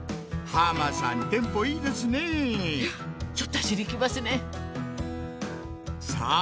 浜さんテンポいいですねぇいやちょっと脚にきますねさあ